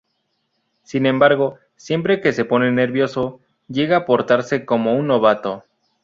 Sin embargo siempre que se pone nervioso llega a portarse como un novato.